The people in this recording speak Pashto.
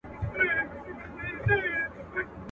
o وهل مي يکطرفه پيشي کوچ هم خوړلي دي.